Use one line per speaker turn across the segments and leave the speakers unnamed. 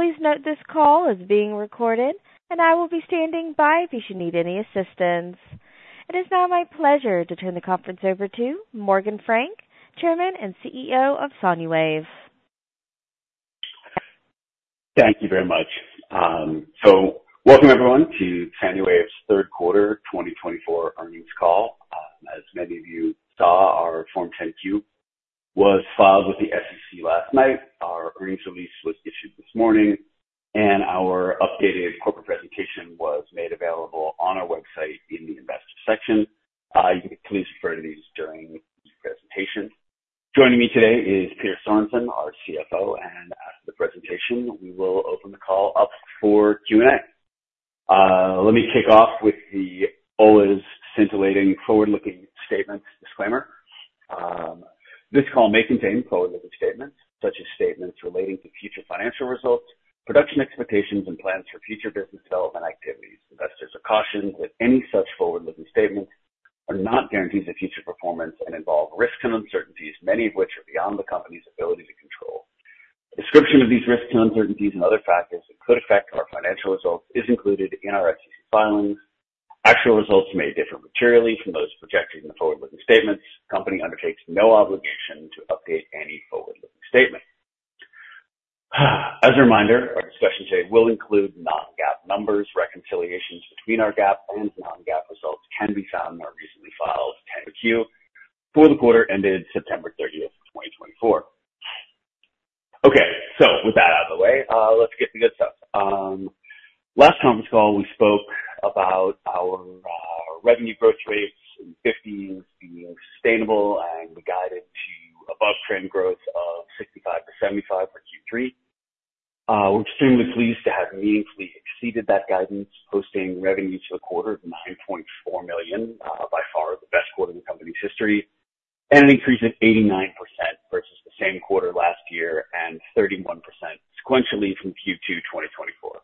Please note this call is being recorded, and I will be standing by if you should need any assistance. It is now my pleasure to turn the conference over to Morgan Frank, Chairman and CEO of SANUWAVE.
Thank you very much. So welcome, everyone, to SANUWAVE's third quarter 2024 earnings call. As many of you saw, our Form 10-Q was filed with the SEC last night. Our earnings release was issued this morning, and our updated corporate presentation was made available on our website in the investor section. You can please refer to these during the presentation. Joining me today is Peter Sorensen, our CFO, and after the presentation, we will open the call up for Q&A. Let me kick off with the always scintillating forward-looking statement disclaimer. This call may contain forward-looking statements such as statements relating to future financial results, production expectations, and plans for future business development activities. Investors are cautioned that any such forward-looking statements are not guarantees of future performance and involve risks and uncertainties, many of which are beyond the company's ability to control. Description of these risks and uncertainties and other factors that could affect our financial results is included in our SEC filings. Actual results may differ materially from those projected in the forward-looking statements. The company undertakes no obligation to update any forward-looking statement. As a reminder, our discussion today will include non-GAAP numbers. Reconciliations between our GAAP and non-GAAP results can be found in our recently filed 10-Q for the quarter ended September 30th, 2024. Okay, so with that out of the way, let's get to the good stuff. Last conference call, we spoke about our revenue growth rates in 2015 being sustainable and guided to above trend growth of 65%-75% for Q3. We're extremely pleased to have meaningfully exceeded that guidance, posting revenues for the quarter of $9.4 million, by far the best quarter in the company's history, and an increase of 89% versus the same quarter last year and 31% sequentially from Q2 2024.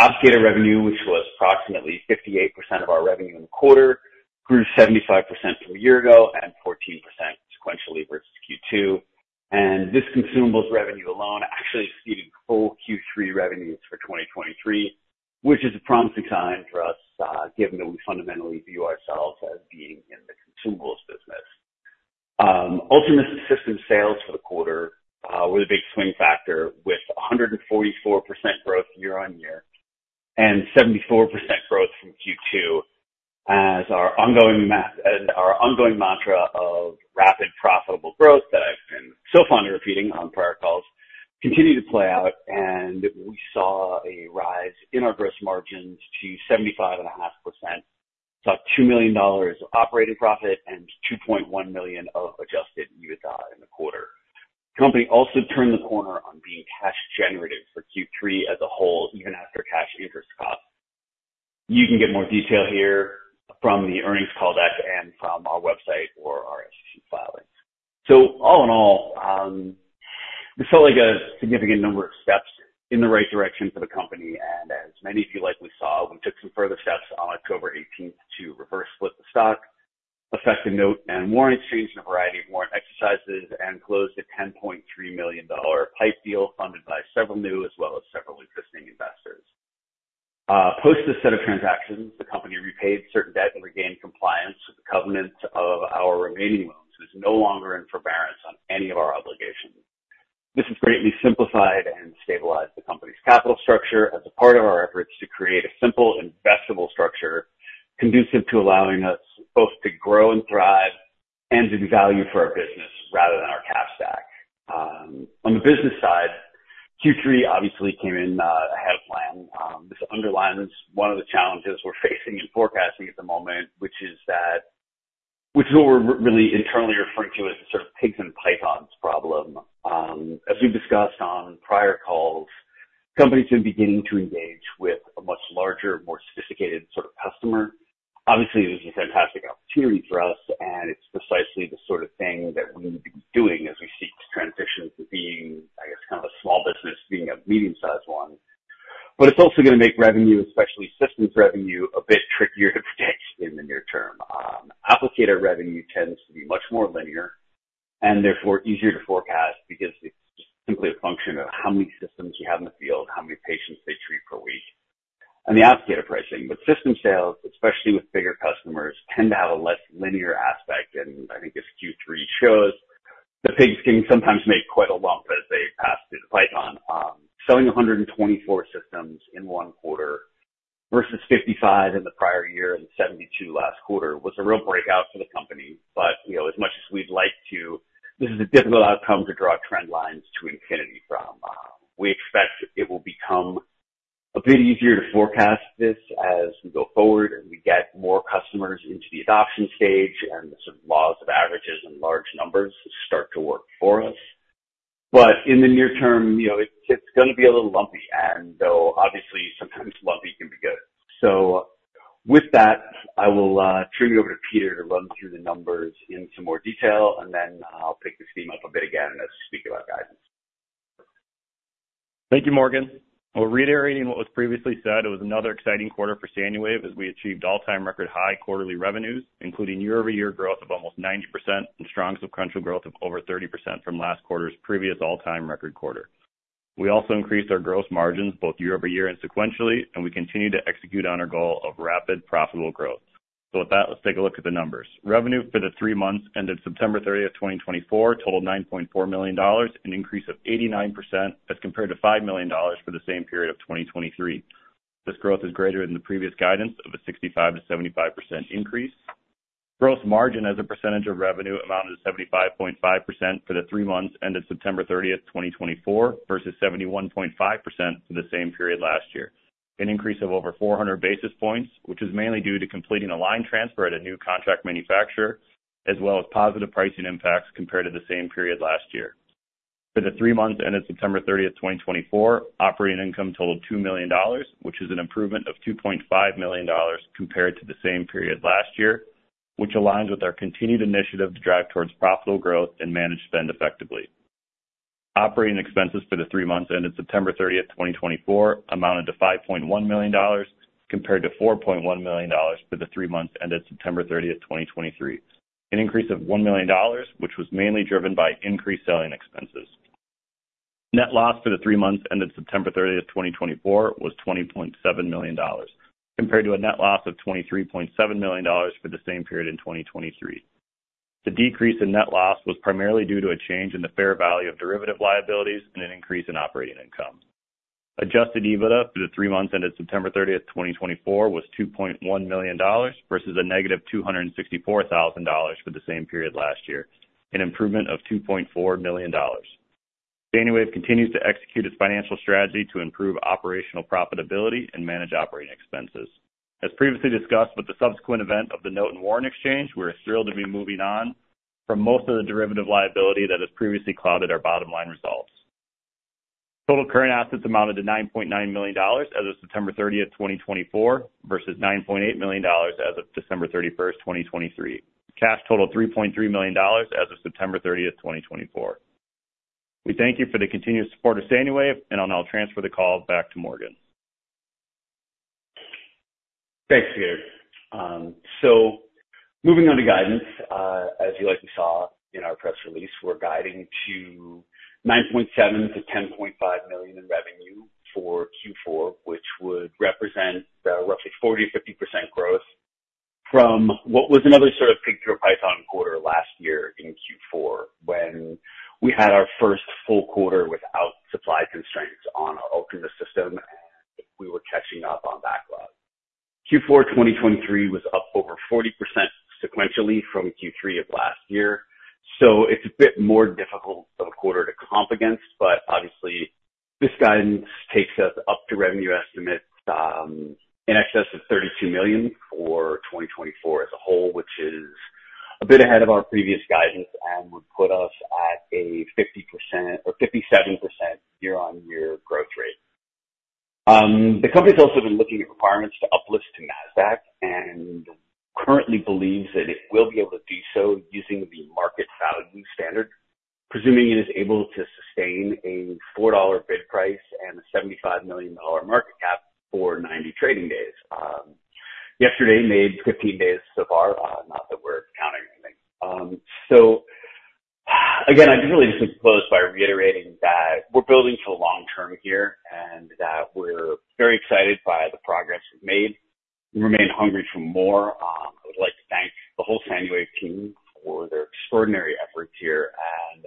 Recurring revenue, which was approximately 58% of our revenue in the quarter, grew 75% from a year ago and 14% sequentially versus Q2, and this consumables revenue alone actually exceeded full Q3 revenues for 2023, which is a promising sign for us, given that we fundamentally view ourselves as being in the consumables business. UltraMIST System sales for the quarter were the big swing factor, with 144% growth year-on-year and 74% growth from Q2, as our ongoing mantra of rapid, profitable growth that I've been so fond of repeating on prior calls continued to play out. We saw a rise in our gross margins to 75.5%, about $2 million of operating profit and $2.1 million of Adjusted EBITDA in the quarter. The company also turned the corner on being cash-generative for Q3 as a whole, even after cash interest costs. You can get more detail here from the earnings callback and from our website or our SEC filing. So all in all, we saw a significant number of steps in the right direction for the company. As many of you likely saw, we took some further steps on October 18th to reverse split the stock, effect a note and warrant exchange in a variety of warrant exercises, and closed a $10.3 million PIPE deal funded by several new as well as several existing investors. Post this set of transactions, the company repaid certain debt and regained compliance with the covenants of our remaining loans, which is no longer in forbearance on any of our obligations. This has greatly simplified and stabilized the company's capital structure as a part of our efforts to create a simple investable structure conducive to allowing us both to grow and thrive and to be valued for our business rather than our cash stack. On the business side, Q3 obviously came in ahead of plan. This underlines one of the challenges we're facing in forecasting at the moment, which is what we're really internally referring to as the sort of pigs and pythons problem. As we've discussed on prior calls, companies have been beginning to engage with a much larger, more sophisticated sort of customer. Obviously, this is a fantastic opportunity for us, and it's precisely the sort of thing that we need to be doing as we seek to transition to being, I guess, kind of a small business, being a medium-sized one. But it's also going to make revenue, especially systems revenue, a bit trickier to predict in the near term. Applicator revenue tends to be much more linear and therefore easier to forecast because it's simply a function of how many systems you have in the field, how many patients they treat per week, and the applicator pricing. But system sales, especially with bigger customers, tend to have a less linear aspect. And I think, as Q3 shows, the pigs can sometimes make quite a lump as they pass through the python. Selling 124 systems in one quarter versus 55 in the prior year and 72 last quarter was a real breakout for the company. But as much as we'd like to, this is a difficult outcome to draw trend lines to infinity from. We expect it will become a bit easier to forecast this as we go forward and we get more customers into the adoption stage and the sort of laws of averages and large numbers start to work for us. But in the near term, it's going to be a little lumpy, and though obviously sometimes lumpy can be good. So with that, I will turn you over to Peter to run through the numbers in some more detail, and then I'll pick this theme up a bit again as we speak about guidance.
Thank you, Morgan. While reiterating what was previously said, it was another exciting quarter for SANUWAVE as we achieved all-time record high quarterly revenues, including year-over-year growth of almost 90% and strong sequential growth of over 30% from last quarter's previous all-time record quarter. We also increased our gross margins both year-over-year and sequentially, and we continue to execute on our goal of rapid, profitable growth. So with that, let's take a look at the numbers. Revenue for the three months ended September 30th, 2024, totaled $9.4 million, an increase of 89% as compared to $5 million for the same period of 2023. This growth is greater than the previous guidance of a 65%-75% increase. Gross margin as a percentage of revenue amounted to 75.5% for the three months ended September 30th, 2024, versus 71.5% for the same period last year. An increase of over 400 basis points, which is mainly due to completing a line transfer at a new contract manufacturer, as well as positive pricing impacts compared to the same period last year. For the three months ended September 30th, 2024, operating income totaled $2 million, which is an improvement of $2.5 million compared to the same period last year, which aligns with our continued initiative to drive towards profitable growth and manage spend effectively. Operating expenses for the three months ended September 30th, 2024, amounted to $5.1 million compared to $4.1 million for the three months ended September 30th, 2023. An increase of $1 million, which was mainly driven by increased selling expenses. Net loss for the three months ended September 30th, 2024, was $20.7 million compared to a net loss of $23.7 million for the same period in 2023. The decrease in net loss was primarily due to a change in the fair value of derivative liabilities and an increase in operating income. Adjusted EBITDA for the three months ended September 30th, 2024, was $2.1 million versus a -$264,000 for the same period last year, an improvement of $2.4 million. SANUWAVE continues to execute its financial strategy to improve operational profitability and manage operating expenses. As previously discussed, with the subsequent event of the note and warrant exchange, we're thrilled to be moving on from most of the derivative liability that has previously clouded our bottom line results. Total current assets amounted to $9.9 million as of September 30th, 2024, versus $9.8 million as of December 31st, 2023. Cash totaled $3.3 million as of September 30th, 2024. We thank you for the continued support of SANUWAVE, and I'll now transfer the call back to Morgan.
Thanks, Peter. So moving on to guidance, as you likely saw in our press release, we're guiding to $9.7 million-$10.5 million in revenue for Q4, which would represent roughly 40%-50% growth from what was another sort of pigs and pythons quarter last year in Q4 when we had our first full quarter without supply constraints on our UltraMIST system and we were catching up on backlog. Q4 2023 was up over 40% sequentially from Q3 of last year. So it's a bit more difficult of a quarter to comp against, but obviously this guidance takes us up to revenue estimates in excess of $32 million for 2024 as a whole, which is a bit ahead of our previous guidance and would put us at a 57% year-on-year growth rate. The company's also been looking at requirements to uplist to NASDAQ and currently believes that it will be able to do so using the market value standard, presuming it is able to sustain a $4 bid price and a $75 million market cap for 90 trading days. Yesterday made 15 days so far, not that we're counting anything. So again, I'd really just like to close by reiterating that we're building for the long term here and that we're very excited by the progress we've made. We remain hungry for more. I would like to thank the whole SANUWAVE team for their extraordinary efforts here. And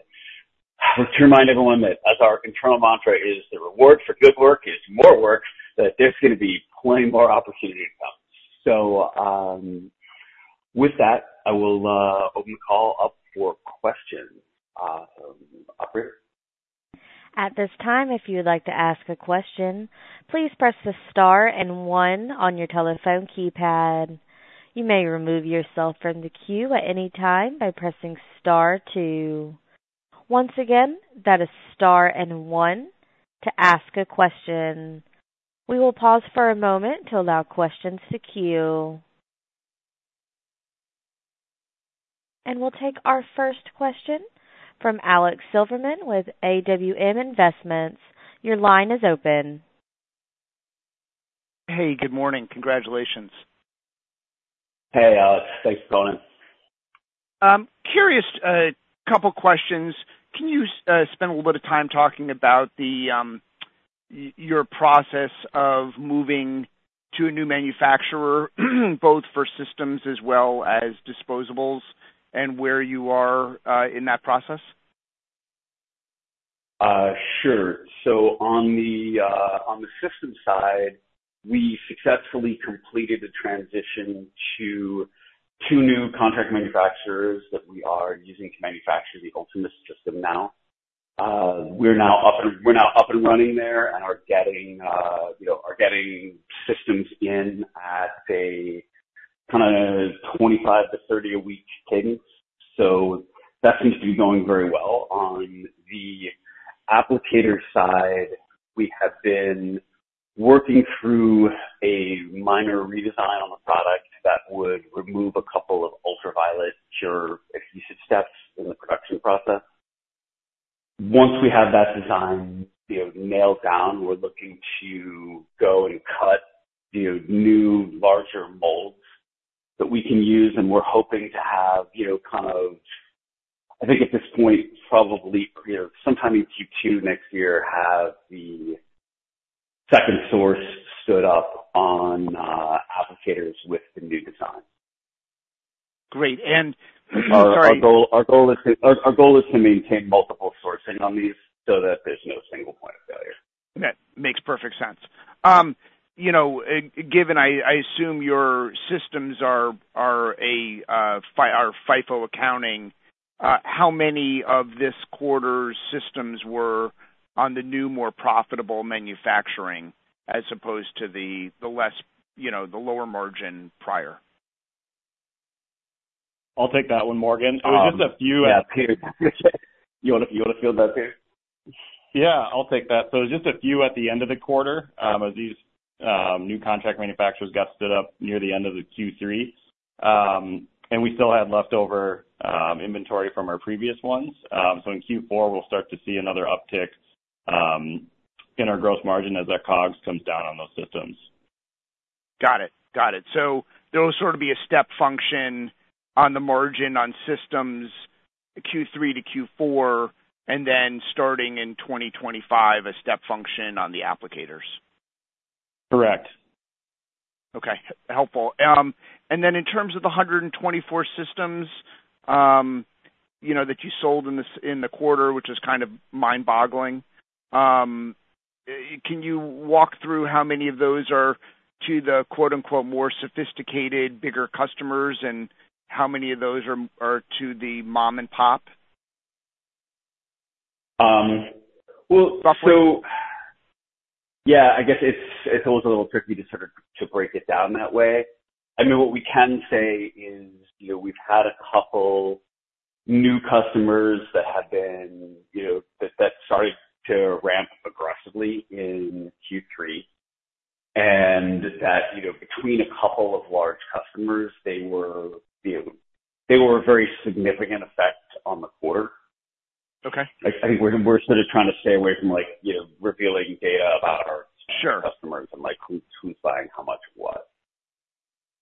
I would like to remind everyone that as our internal mantra is, "The reward for good work is more work," that there's going to be plenty more opportunity to come. So with that, I will open the call up for questions. Operator?
At this time, if you would like to ask a question, please press the star and one on your telephone keypad. You may remove yourself from the queue at any time by pressing star two. Once again, that is star and one to ask a question. We will pause for a moment to allow questions to queue, and we'll take our first question from Alex Silverman with AWM Investments. Your line is open.
Hey, good morning. Congratulations.
Hey, Alex. Thanks for calling in.
I'm curious, a couple of questions. Can you spend a little bit of time talking about your process of moving to a new manufacturer, both for systems as well as disposables, and where you are in that process?
Sure. So on the system side, we successfully completed the transition to two new contract manufacturers that we are using to manufacture the UltraMIST system now. We're now up and running there and are getting systems in at a kind of 25-30 a week cadence. So that seems to be going very well. On the applicator side, we have been working through a minor redesign on the product that would remove a couple of ultraviolet cure adhesive steps in the production process. Once we have that design nailed down, we're looking to go and cut new larger molds that we can use, and we're hoping to have kind of, I think at this point, probably sometime in Q2 next year, have the second source stood up on applicators with the new design.
Great. And sorry.
Our goal is to maintain multiple sourcing on these so that there's no single point of failure.
That makes perfect sense. Given, I assume, your systems are FIFO accounting, how many of this quarter's systems were on the new, more profitable manufacturing as opposed to the lower margin prior?
I'll take that one, Morgan. It was just a few.
Yeah, Peter. You want to field that, Peter?
Yeah, I'll take that. So it was just a few at the end of the quarter as these new contract manufacturers got stood up near the end of the Q3. And we still had leftover inventory from our previous ones. So in Q4, we'll start to see another uptick in our gross margin as that COGS comes down on those systems.
Got it. So there will sort of be a step function on the margin on systems Q3 to Q4, and then starting in 2025, a step function on the applicators.
Correct.
Okay. Helpful. And then in terms of the 124 systems that you sold in the quarter, which is kind of mind-boggling, can you walk through how many of those are to the "more sophisticated, bigger customers," and how many of those are to the mom-and-pop?
Well, so yeah, I guess it's always a little tricky to sort of break it down that way. I mean, what we can say is we've had a couple of new customers that started to ramp aggressively in Q3, and that between a couple of large customers, they were a very significant effect on the quarter. I think we're sort of trying to stay away from revealing data about our customers and who's buying how much of what.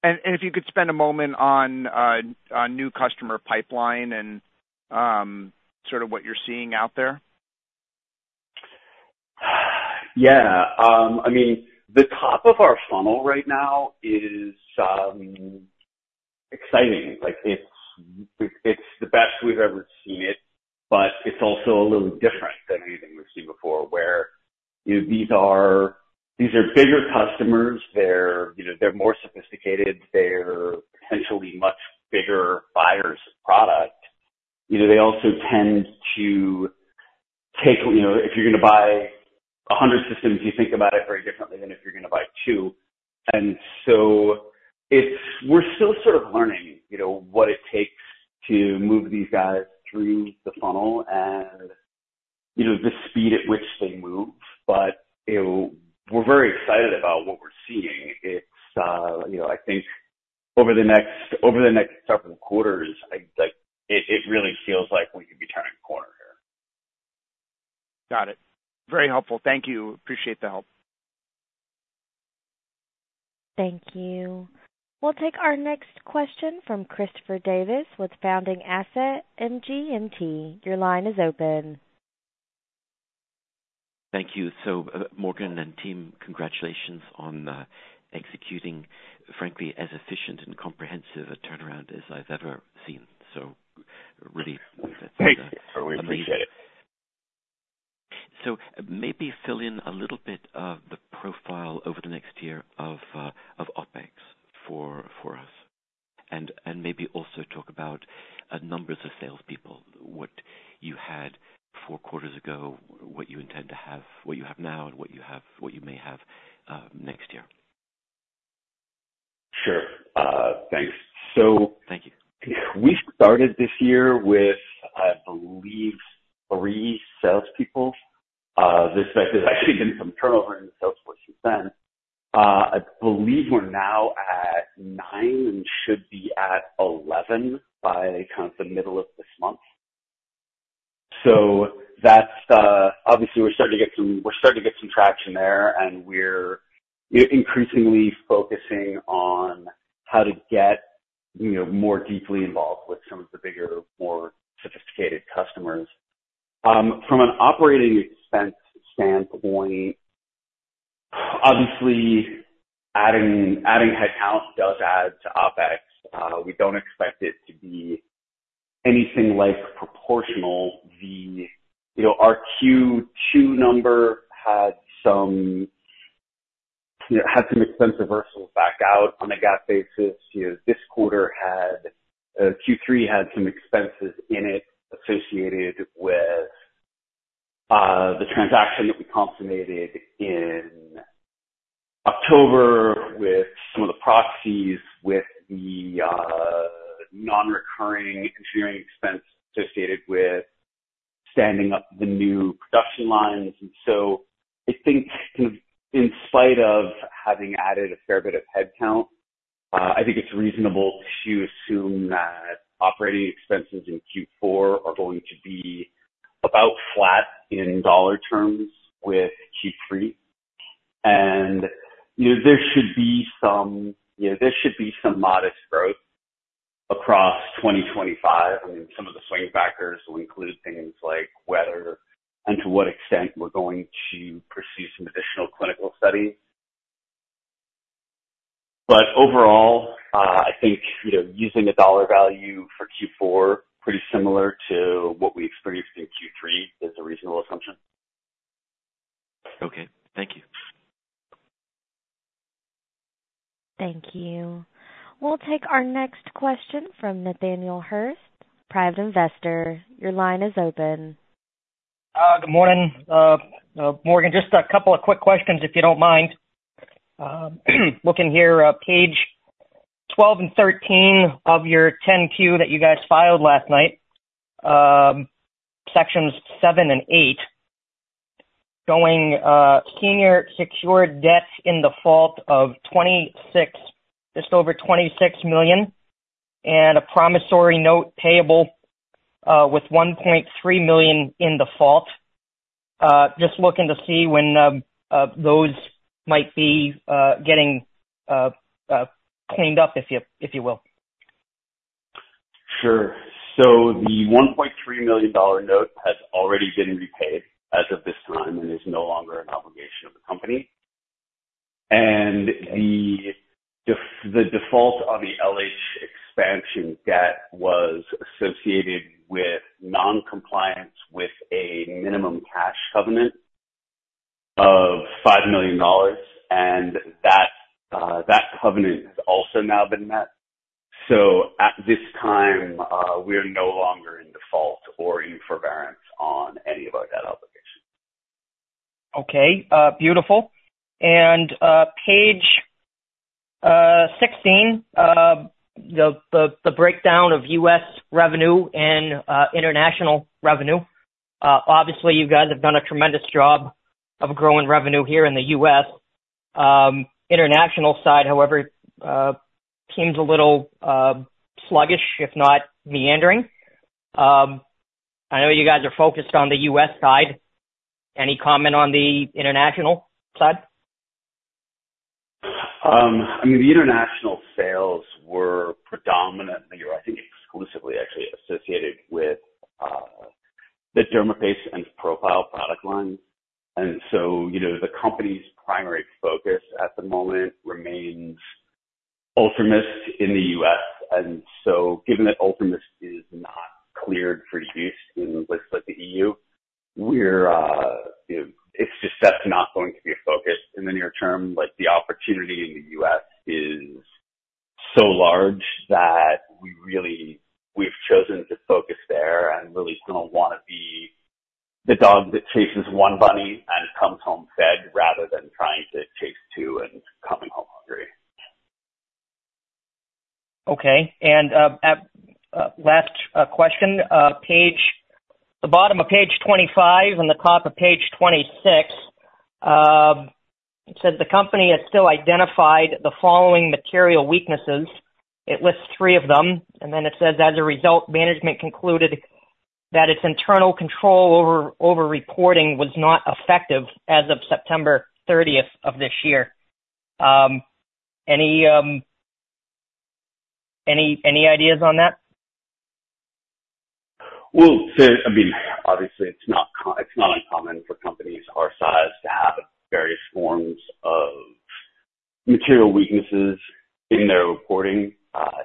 If you could spend a moment on new customer pipeline and sort of what you're seeing out there.
Yeah. I mean, the top of our funnel right now is exciting. It's the best we've ever seen it, but it's also a little different than anything we've seen before, where these are bigger customers. They're more sophisticated. They're potentially much bigger buyers of product. They also tend to take if you're going to buy 100 systems, you think about it very differently than if you're going to buy two. And so we're still sort of learning what it takes to move these guys through the funnel and the speed at which they move. But we're very excited about what we're seeing. I think over the next several quarters, it really feels like we could be turning the corner here.
Got it. Very helpful. Thank you. Appreciate the help.
Thank you. We'll take our next question from Christopher Davis with Fountain Asset MGMT. Your line is open.
Thank you. So Morgan and team, congratulations on executing, frankly, as efficient and comprehensive a turnaround as I've ever seen. So really.
Thank you. I really appreciate it.
So maybe fill in a little bit of the profile over the next year of OpEx for us, and maybe also talk about numbers of salespeople, what you had four quarters ago, what you intend to have, what you have now, and what you may have next year.
Sure. Thanks.
Thank you.
We started this year with, I believe, three salespeople. This meant that I've seen some turnover in the salesforce since then. I believe we're now at nine and should be at 11 by kind of the middle of this month. So obviously, we're starting to get some traction there, and we're increasingly focusing on how to get more deeply involved with some of the bigger, more sophisticated customers. From an operating expense standpoint, obviously, adding headcount does add to OpEx. We don't expect it to be anything like proportional. Our Q2 number had some expense reversals back out on a GAAP basis. This quarter, Q3 had some expenses in it associated with the transaction that we consummated in October with some of the proxies with the non-recurring engineering expense associated with standing up the new production lines. And so I think in spite of having added a fair bit of headcount, I think it's reasonable to assume that operating expenses in Q4 are going to be about flat in dollar terms with Q3. There should be some modest growth across 2025. I mean, some of the swing factors will include things like whether and to what extent we're going to pursue some additional clinical studies. Overall, I think using a dollar value for Q4, pretty similar to what we experienced in Q3, is a reasonable assumption.
Okay. Thank you.
Thank you. We'll take our next question from Nathaniel Hurst, private investor. Your line is open. Good morning, Morgan. Just a couple of quick questions, if you don't mind. Looking here, page 12 and 13 of your 10-Q that you guys filed last night, Sections 7 and 8, showing senior secured debts in default of $26 million, just over $26 million, and a promissory note payable with $1.3 million in default. Just looking to see when those might be getting cleaned up, if you will.
Sure. So the $1.3 million note has already been repaid as of this time and is no longer an obligation of the company. And the default on the NH expansion debt was associated with non-compliance with a minimum cash covenant of $5 million, and that covenant has also now been met. So at this time, we are no longer in default or in forbearance on any of our debt obligations. Okay. Beautiful. And page 16, the breakdown of U.S. revenue and international revenue. Obviously, you guys have done a tremendous job of growing revenue here in the U.S. International side, however, seems a little sluggish, if not meandering. I know you guys are focused on the U.S. side. Any comment on the international side? I mean, the international sales were predominantly, or I think exclusively, actually associated with the dermaPACE and Profile product lines. And so the company's primary focus at the moment remains UltraMIST in the U.S. And so given that UltraMIST is not cleared for use in places like the EU, it's just that's not going to be a focus in the near term. The opportunity in the U.S. is so large that we've chosen to focus there and really kind of want to be the dog that chases one bunny and comes home fed rather than trying to chase two and coming home hungry. Okay. And last question, the bottom of page 25 and the top of page 26 says the company has still identified the following material weaknesses. It lists three of them. And then it says, as a result, management concluded that its internal control over reporting was not effective as of September 30th of this year. Any ideas on that? I mean, obviously, it's not uncommon for companies our size to have various forms of material weaknesses in their reporting.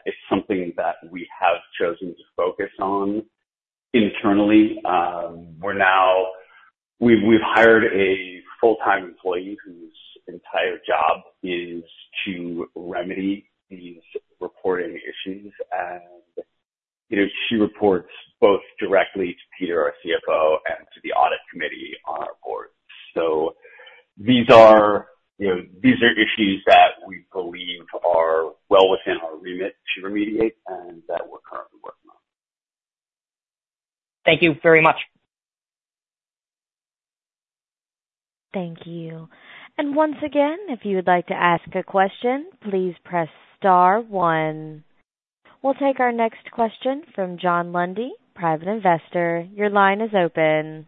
It's something that we have chosen to focus on internally. We've hired a full-time employee whose entire job is to remedy these reporting issues, and she reports both directly to Peter, our CFO, and to the audit committee on our board. These are issues that we believe are well within our remit to remediate and that we're currently working on. Thank you very much.
Thank you. And once again, if you would like to ask a question, please press star one. We'll take our next question from John Lundy, private investor. Your line is open.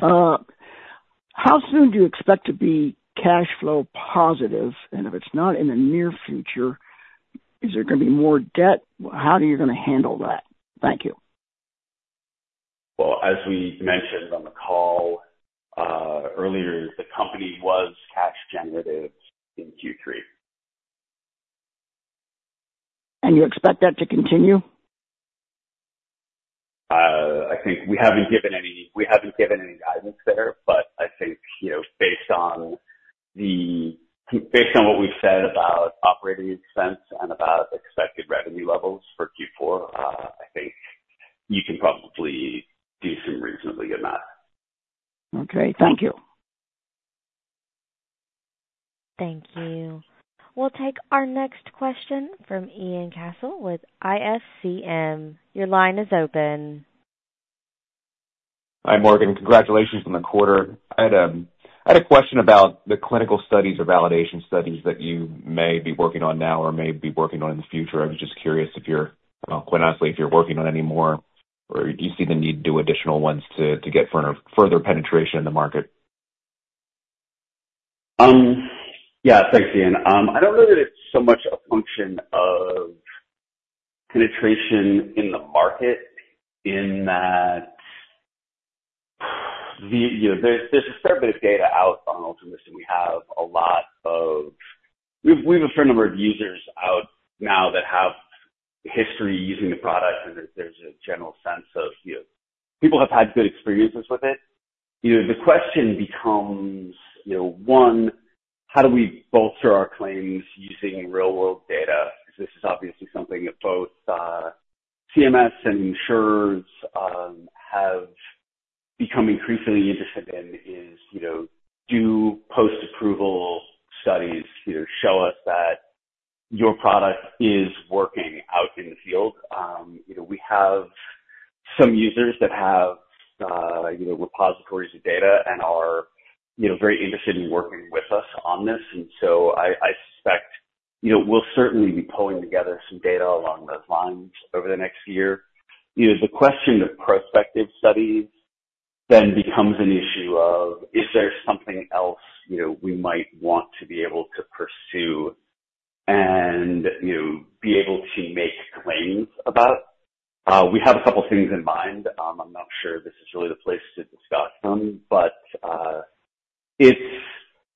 How soon do you expect to be cash flow positive? And if it's not in the near future, is there going to be more debt? How are you going to handle that? Thank you.
As we mentioned on the call earlier, the company was cash generative in Q3. You expect that to continue? I think we haven't given any guidance there, but I think based on what we've said about operating expense and about expected revenue levels for Q4, I think you can probably do some reasonably good math. Okay. Thank you.
Thank you. We'll take our next question from Ian Cassel with IFCM. Your line is open.
Hi, Morgan. Congratulations on the quarter. I had a question about the clinical studies or validation studies that you may be working on now or may be working on in the future. I was just curious if you're quite honestly, if you're working on any more or do you see the need to do additional ones to get further penetration in the market?
Yeah. Thanks, Ian. I don't know that it's so much a function of penetration in the market in that there's a fair bit of data out on UltraMIST, and we have a fair number of users out now that have history using the product, and there's a general sense of people have had good experiences with it. The question becomes, one, how do we bolster our claims using real-world data? This is obviously something that both CMS and insurers have become increasingly interested in: do post-approval studies show us that your product is working out in the field? We have some users that have repositories of data and are very interested in working with us on this. And so I suspect we'll certainly be pulling together some data along those lines over the next year. The question of prospective studies then becomes an issue of, is there something else we might want to be able to pursue and be able to make claims about? We have a couple of things in mind. I'm not sure this is really the place to discuss them, but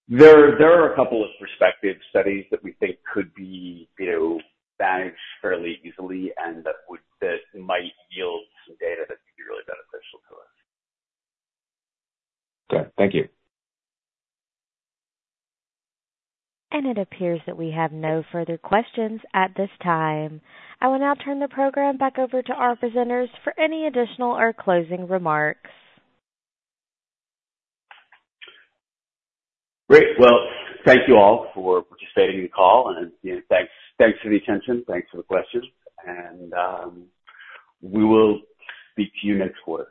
there are a couple of prospective studies that we think could be managed fairly easily and that might yield some data that could be really beneficial to us.
Okay. Thank you.
It appears that we have no further questions at this time. I will now turn the program back over to our presenters for any additional or closing remarks.
Great. Well, thank you all for participating in the call. And thanks for the attention. Thanks for the questions. And we will speak to you next quarter.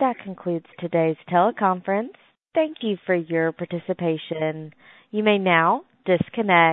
That concludes today's teleconference. Thank you for your participation. You may now disconnect.